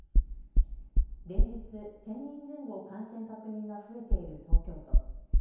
連日、１０００人前後感染確認が増えている東京都。